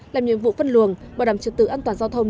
làm nhiệm vụ phân luồng bảo đảm trật tự an toàn giao thông